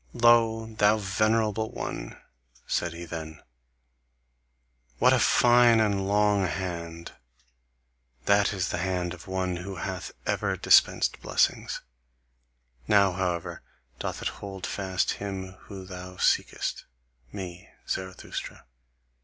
"Lo! thou venerable one," said he then, "what a fine and long hand! That is the hand of one who hath ever dispensed blessings. Now, however, doth it hold fast him whom thou seekest, me, Zarathustra.